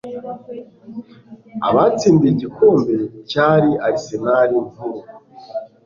Abatsindiye igikombe cya arisenari nkuru